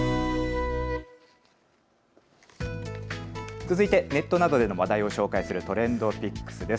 続いてネットなどでの話題を紹介するＴｒｅｎｄＰｉｃｋｓです。